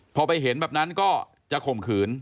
พอไปเห็นแบบนั้นก็จะข่มขืน